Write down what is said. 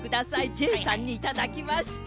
ジェイさんにいただきました。